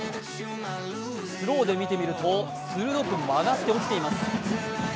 スローで見てみると鋭く曲がって落ちています